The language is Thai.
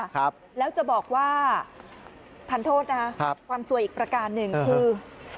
ครับแล้วจะบอกว่าทันโทษนะครับความสวยอีกประการหนึ่งคือ